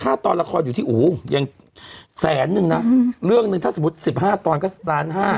ฆ่าตอนละครอยู่ที่อู๋ยังแสนหนึ่งนะอืมเรื่องหนึ่งถ้าสมมุติสิบห้าตอนก็สามห้า